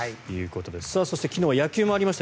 そして昨日は野球もありました。